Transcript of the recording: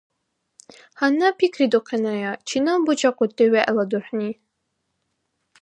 Гьанна пикридухъеная, чинаб бучӀахъути вегӀла дурхӀни?